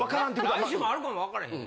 来週もあるかも分からへん。